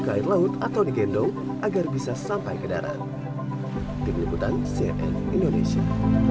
ke air laut atau digendong agar bisa sampai ke darat di penumpukan cn indonesia